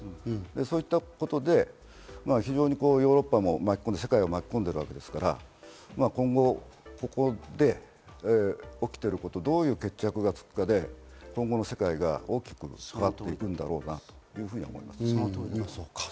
そういったことで非常にヨーロッパも巻き込んで世界も巻き込んでいるわけですから、ここで起きていること、どういう決着がつくかで今後の世界が変わっていくんだろうなと思いますね。